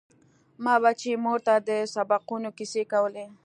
ما به چې مور ته د سبقانو کيسې کولې.